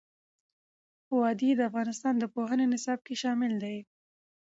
وادي د افغانستان د پوهنې نصاب کې شامل دي.